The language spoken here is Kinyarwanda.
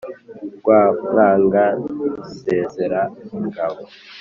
Rwamwaga nsezera ingabo.